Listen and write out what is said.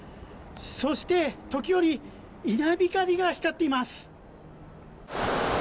そして時折稲光が光っています。